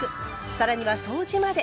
更には掃除まで。